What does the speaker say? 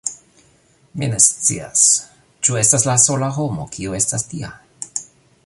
Mi ne scias… Ĉu estas la sola homo, kiu estas tia?